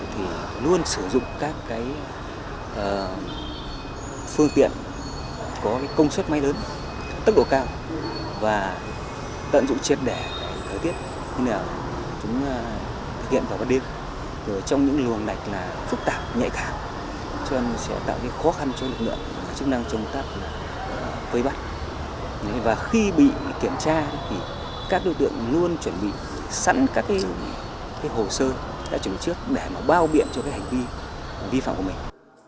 khi bị kiểm tra các đối tượng luôn chuẩn bị sẵn các hồ sơ đã chứng trước để bao biện cho hành vi vi phạm của mình